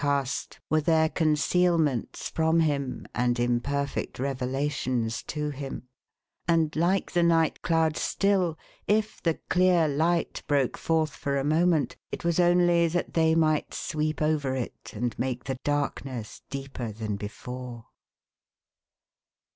495 cast, were their concealments from him, and imperfect revela tions to him; and, like the night clouds still, if the clear light broke forth for a moment, it was only that they might sweep over it, and make the darkness deeper than before.